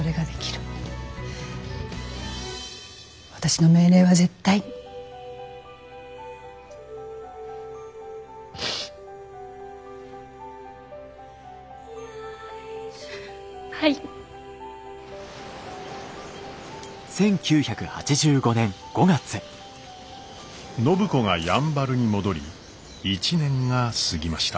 暢子がやんばるに戻り１年が過ぎました。